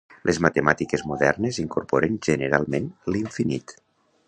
Les matemàtiques modernes incorporen generalment l'infinit.